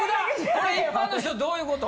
これ一般の人どういうこと？